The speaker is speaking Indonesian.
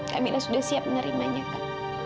kamila sudah siap menerimanya kak